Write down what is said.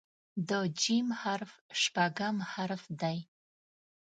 د "ج" حرف شپږم حرف دی.